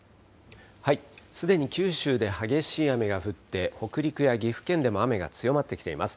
すでに九州で激しい雨が降って、北陸や岐阜県でも雨が強まってきています。